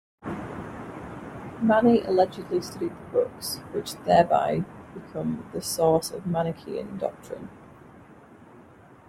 Mani allegedly studied the books, which thereby become the source of Manichean doctrine.